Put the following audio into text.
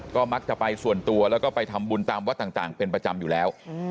ก็มักจะไปส่วนตัวแล้วก็ไปทำบุญตามวัดต่างเป็นประจำอยู่แล้ว